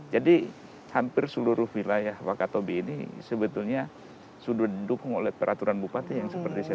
jadi hampir seluruh wilayah wakatobi ini sebetulnya sudah didukung oleh peraturan bupati yang seperti saya sampaikan